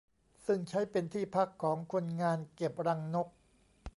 ซึ่งใช้เป็นที่พักของคนงานเก็บรังนก